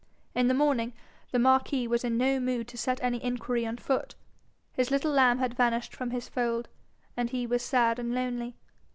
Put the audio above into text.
In the morning the marquis was in no mood to set any inquiry on foot. His little lamb had vanished from his fold, and he was sad and lonely.